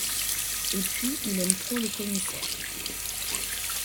Et puis il aime trop le commissaire.